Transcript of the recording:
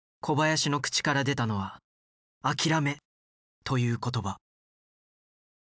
小林の口から出たのは“諦め”という言葉。